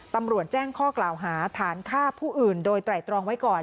ตำรวจแจ้งข้อกล่าวหาฐานฆ่าผู้อื่นโดยไตรตรองไว้ก่อน